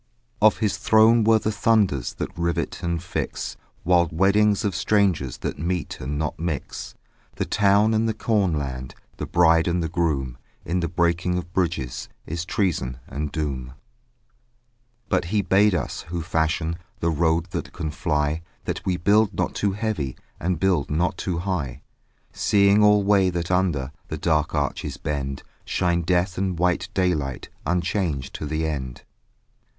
Of his throne were the thunders That rivet and fix Wild weddings of strangers That meet and not mix; The town and the cornland; The bride and the groom: In the breaking of bridges Is treason and doom. But he bade us, who fashion The road that can fly, That we build not too heavy And build not too high: Seeing alway that under The dark arch's bend Shine death and white daylight Unchanged to the end.